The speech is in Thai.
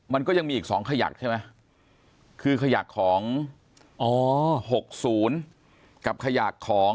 มันก็ยังมีอีก๒ขยักใช่ไหมคือขยักของอ๋อ๖๐กับขยักของ